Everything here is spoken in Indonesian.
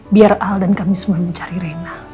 biar al dan kami semua mencari reyna